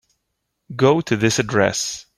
Go to this address.